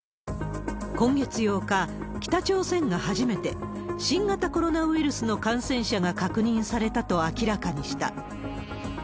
今月８日、北朝鮮が初めて、新型コロナウイルスの感染者が確認されたと明らかにした。